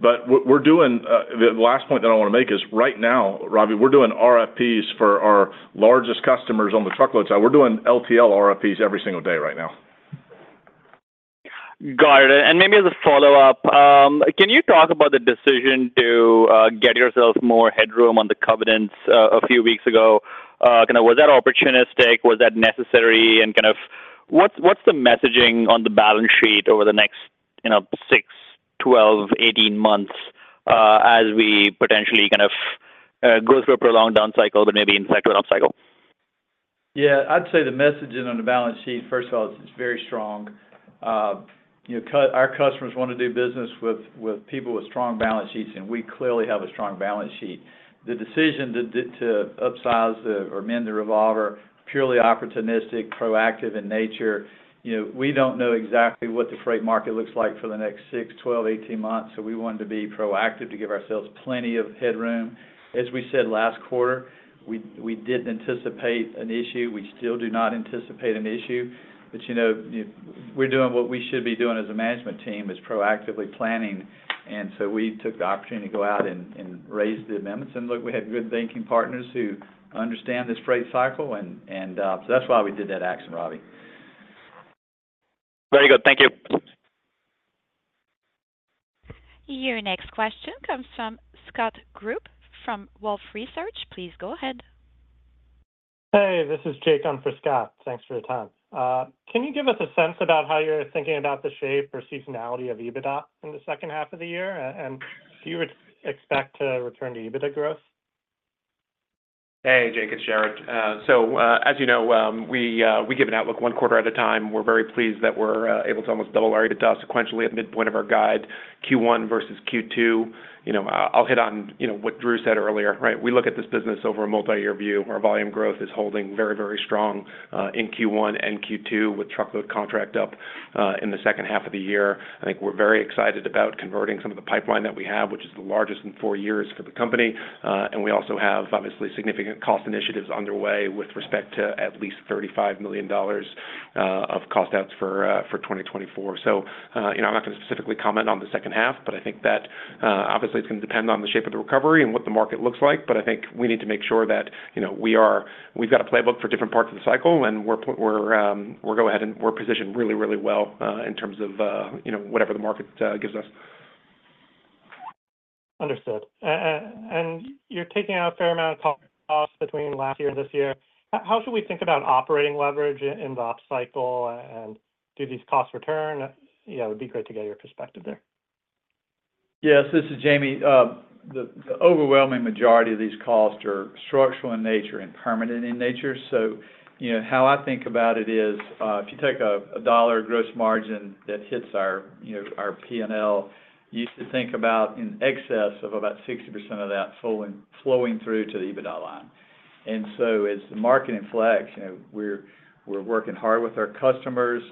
But what we're doing. The last point that I want to make is, right now, Ravi, we're doing RFPs for our largest customers on the truckload side. We're doing LTL RFPs every single day right now. Got it. And maybe as a follow-up, can you talk about the decision to get yourself more headroom on the covenants a few weeks ago? Kind of was that opportunistic? Was that necessary? And kind of what's the messaging on the balance sheet over the next, you know, six, 12, 18 months, as we potentially kind of go through a prolonged down cycle, but maybe in fact, an upcycle? Yeah, I'd say the messaging on the balance sheet, first of all, it's very strong. You know, our customers want to do business with, with people with strong balance sheets, and we clearly have a strong balance sheet. The decision to upsize the or amend the revolver, purely opportunistic, proactive in nature. You know, we don't know exactly what the freight market looks like for the next six, 12, 18 months, so we wanted to be proactive to give ourselves plenty of headroom. As we said last quarter, we didn't anticipate an issue. We still do not anticipate an issue, but, you know, we're doing what we should be doing as a management team, is proactively planning. And so we took the opportunity to go out and raise the amendments, and look, we had good banking partners who understand this freight cycle. So that's why we did that action, Robbie. Very good. Thank you. Your next question comes from Scott Group from Wolfe Research. Please go ahead. Hey, this is Jake on for Scott. Thanks for your time. Can you give us a sense about how you're thinking about the shape or seasonality of EBITDA in the second half of the year? And do you expect to return to EBITDA growth? Hey, Jake, it's Jared. So, as you know, we give an outlook one quarter at a time. We're very pleased that we're able to almost double our EBITDA sequentially at the midpoint of our guide, Q1 versus Q2. You know, I'll hit on, you know, what Drew said earlier, right? We look at this business over a multi-year view. Our volume growth is holding very, very strong in Q1 and Q2, with truckload contract up in the second half of the year. I think we're very excited about converting some of the pipeline that we have, which is the largest in four years for the company. And we also have, obviously, significant cost initiatives underway with respect to at least $35 million of cost outs for 2024. So, you know, I'm not going to specifically comment on the second half, but I think that, obviously, it's going to depend on the shape of the recovery and what the market looks like. But I think we need to make sure that, you know, we are—we've got a playbook for different parts of the cycle, and we're positioned really, really well, in terms of, you know, whatever the market gives us. Understood. And you're taking out a fair amount of cost between last year and this year. How should we think about operating leverage in the up cycle, and do these costs return? Yeah, it would be great to get your perspective there. Yes, this is Jamie. The overwhelming majority of these costs are structural in nature and permanent in nature. So, you know, how I think about it is, if you take a dollar gross margin that hits our, you know, our P&L, you should think about in excess of about 60% of that flowing through to the EBITDA line. And so as the market inflects, you know, we're working hard with our customers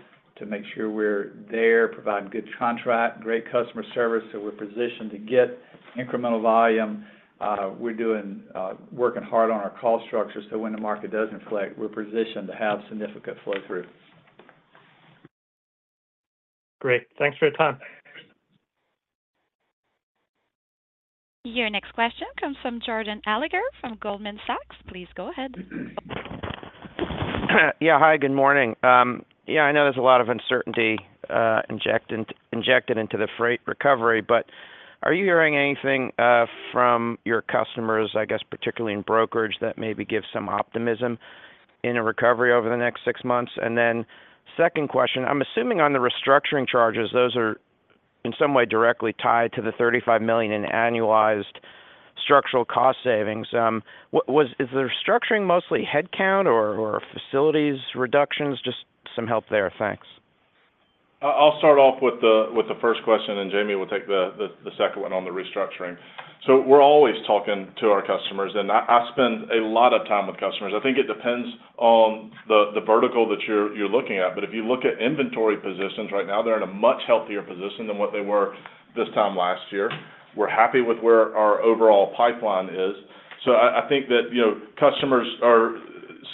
to make sure we're there, providing good contract, great customer service, so we're positioned to get incremental volume. We're working hard on our cost structure, so when the market does inflect, we're positioned to have significant flow-through. Great. Thanks for your time. Your next question comes from Jordan Alliger from Goldman Sachs. Please go ahead. Yeah, hi, good morning. Yeah, I know there's a lot of uncertainty injected into the freight recovery, but are you hearing anything from your customers, I guess, particularly in brokerage, that maybe give some optimism in a recovery over the next six months? And then second question, I'm assuming on the restructuring charges, those are in some way directly tied to the $35 million in annualized structural cost savings. Is the restructuring mostly headcount or, or facilities reductions? Just some help there. Thanks. I'll start off with the first question, and Jamie will take the second one on the restructuring. So we're always talking to our customers, and I spend a lot of time with customers. I think it depends on the vertical that you're looking at. But if you look at inventory positions right now, they're in a much healthier position than what they were this time last year. We're happy with where our overall pipeline is. So I think that, you know, customers are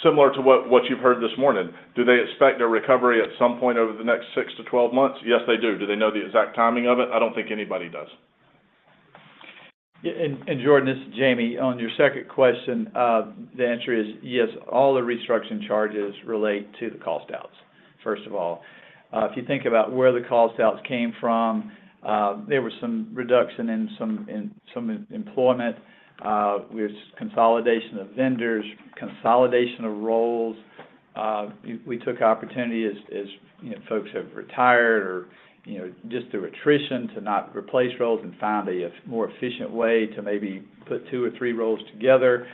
similar to what you've heard this morning. Do they expect a recovery at some point over the next 6-12 months? Yes, they do. Do they know the exact timing of it? I don't think anybody does. Yeah, and Jordan, this is Jamie. On your second question, the answer is yes, all the restructuring charges relate to the cost outs, first of all. If you think about where the cost outs came from, there was some reduction in some employment with consolidation of vendors, consolidation of roles. We took opportunity as, as you know, folks have retired or, you know, just through attrition, to not replace roles and find a more efficient way to maybe put two or three roles together.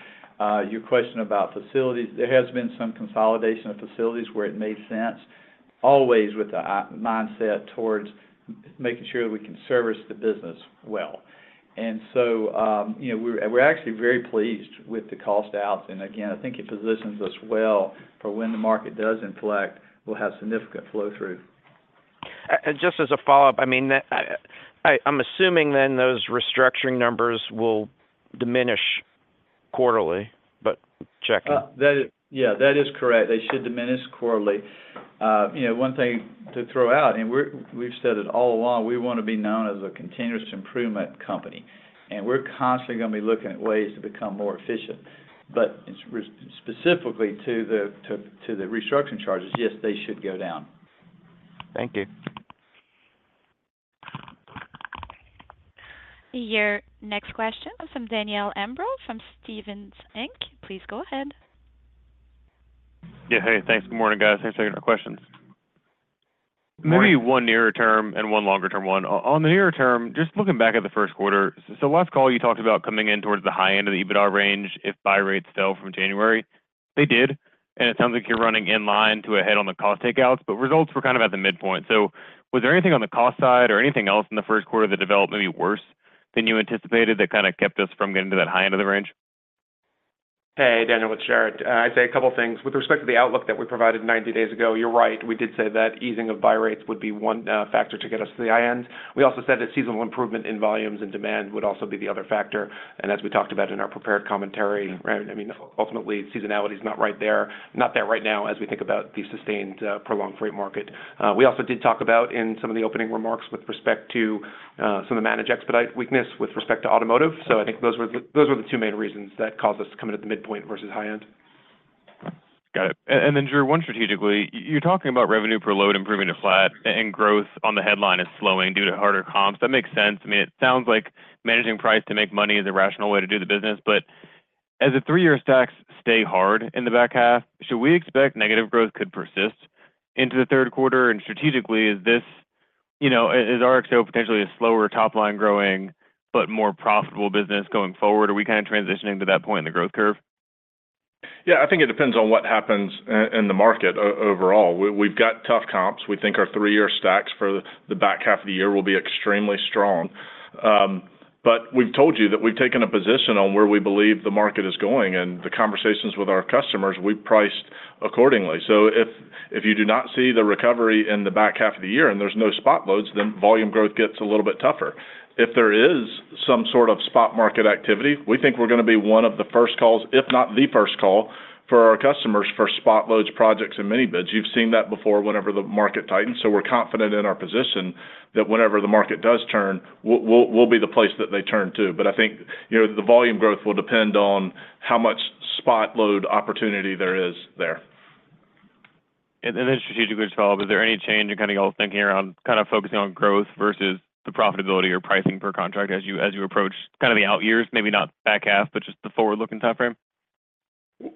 Your question about facilities, there has been some consolidation of facilities where it made sense, always with the mindset towards making sure we can service the business well. And so, you know, we're actually very pleased with the cost outs. And again, I think it positions us well for when the market does inflect, we'll have significant flow-through. And just as a follow-up, I mean, the, I'm assuming then those restructuring numbers will diminish quarterly, but checking. That is... Yeah, that is correct. They should diminish quarterly. You know, one thing to throw out, and we've said it all along, we want to be known as a continuous improvement company, and we're constantly going to be looking at ways to become more efficient. But specifically to the restructuring charges, yes, they should go down. Thank you. Your next question comes from Daniel Imbro from Stephens Inc. Please go ahead. Yeah, hey, thanks. Good morning, guys. Thanks for taking the questions. Good morning. Maybe one nearer term and one longer term one. On the nearer term, just looking back at the first quarter, so last call, you talked about coming in towards the high end of the EBITDA range if buy rates fell from January. They did... And it sounds like you're running in line to ahead on the cost takeouts, but results were kind of at the midpoint. So was there anything on the cost side or anything else in the first quarter that developed maybe worse than you anticipated that kind of kept us from getting to that high end of the range? Hey, Daniel, with Jared. I'd say a couple of things. With respect to the outlook that we provided 90 days ago, you're right, we did say that easing of buy rates would be one factor to get us to the high end. We also said that seasonal improvement in volumes and demand would also be the other factor. And as we talked about in our prepared commentary, right, I mean, ultimately, seasonality is not right there, not that right now, as we think about the sustained prolonged freight market. We also did talk about in some of the opening remarks with respect to some of the managed expedite weakness with respect to automotive. So I think those were the, those were the two main reasons that caused us to come in at the midpoint versus high end. Got it. And then, Drew, one, strategically, you're talking about revenue per load improving to flat and growth on the headline is slowing due to harder comps. That makes sense. I mean, it sounds like managing price to make money is a rational way to do the business, but as the three-year stacks stay hard in the back half, should we expect negative growth could persist into the third quarter? And strategically, is this, you know, is RXO potentially a slower top line growing but more profitable business going forward? Are we kind of transitioning to that point in the growth curve? Yeah, I think it depends on what happens in the market overall. We've got tough comps. We think our three-year stacks for the back half of the year will be extremely strong. But we've told you that we've taken a position on where we believe the market is going, and the conversations with our customers, we've priced accordingly. So if you do not see the recovery in the back half of the year and there's no spot loads, then volume growth gets a little bit tougher. If there is some sort of spot market activity, we think we're going to be one of the first calls, if not the first call, for our customers for spot loads, projects, and mini bids. You've seen that before whenever the market tightens, so we're confident in our position that whenever the market does turn, we'll be the place that they turn to. But I think, you know, the volume growth will depend on how much spot load opportunity there is there. Strategically as well, is there any change in kind of your thinking around kind of focusing on growth versus the profitability or pricing per contract as you, as you approach kind of the out years, maybe not back half, but just the forward-looking time frame?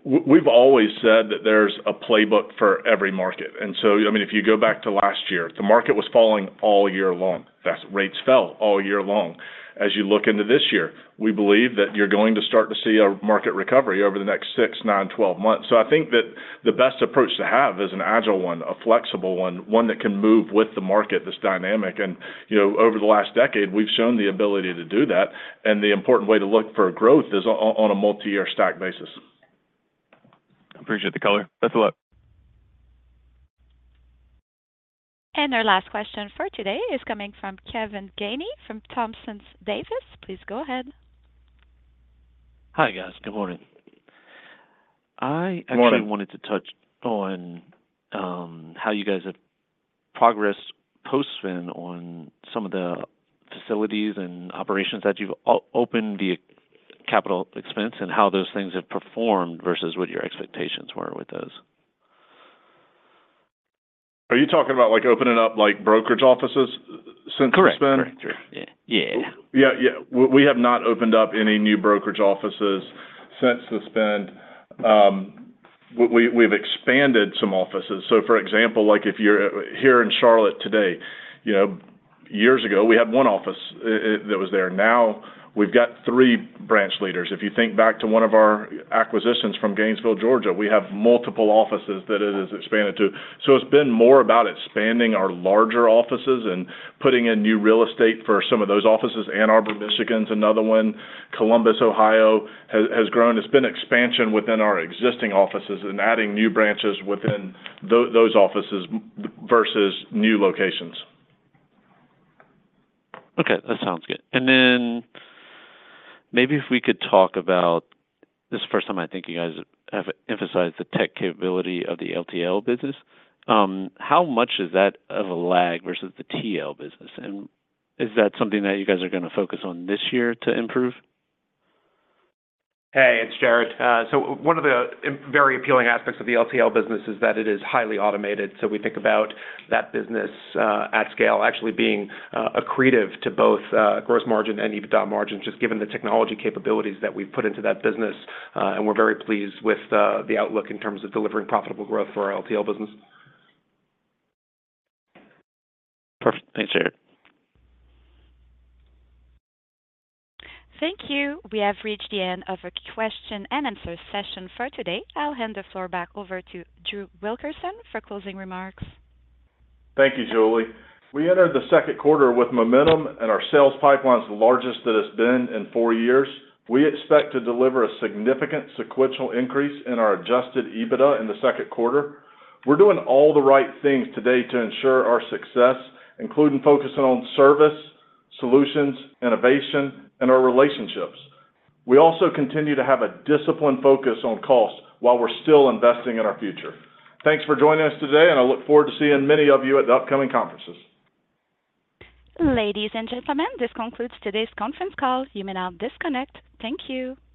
We've always said that there's a playbook for every market. And so, I mean, if you go back to last year, the market was falling all year long. Freight rates fell all year long. As you look into this year, we believe that you're going to start to see a market recovery over the next six, 9, 12 months. So I think that the best approach to have is an agile one, a flexible one, one that can move with the market, this dynamic. And, you know, over the last decade, we've shown the ability to do that, and the important way to look for growth is on a multiyear stack basis. I appreciate the color. Best of luck. Our last question for today is coming from Kevin Gainey, from Thompson Davis. Please go ahead. Hi, guys. Good morning. Good morning. I actually wanted to touch on how you guys have progressed post-spin on some of the facilities and operations that you've opened via capital expense and how those things have performed versus what your expectations were with those. Are you talking about, like, opening up, like, brokerage offices since the spin? Correct. Correct. Yeah. Yeah. Yeah. Yeah. We have not opened up any new brokerage offices since the spin. We have expanded some offices. So for example, like, if you're here in Charlotte today, you know, years ago, we had one office. That was there. Now, we've got three branch leaders. If you think back to one of our acquisitions from Gainesville, Georgia, we have multiple offices that it has expanded to. So it's been more about expanding our larger offices and putting in new real estate for some of those offices. Ann Arbor, Michigan, is another one. Columbus, Ohio, has grown. It's been expansion within our existing offices and adding new branches within those offices versus new locations. Okay, that sounds good. And then maybe if we could talk about... This is the first time I think you guys have emphasized the tech capability of the LTL business. How much is that of a lag versus the TL business? And is that something that you guys are going to focus on this year to improve? Hey, it's Jared. So one of the very appealing aspects of the LTL business is that it is highly automated. So we think about that business, at scale, actually being accretive to both gross margin and EBITDA margin, just given the technology capabilities that we've put into that business. And we're very pleased with the outlook in terms of delivering profitable growth for our LTL business. Perfect. Thanks, Jared. Thank you. We have reached the end of our question and answer session for today. I'll hand the floor back over to Drew Wilkerson for closing remarks. Thank you, Julie. We entered the second quarter with momentum, and our sales pipeline is the largest it has been in four years. We expect to deliver a significant sequential increase in our Adjusted EBITDA in the second quarter. We're doing all the right things today to ensure our success, including focusing on service, solutions, innovation, and our relationships. We also continue to have a disciplined focus on cost while we're still investing in our future. Thanks for joining us today, and I look forward to seeing many of you at the upcoming conferences. Ladies and gentlemen, this concludes today's conference call. You may now disconnect. Thank you.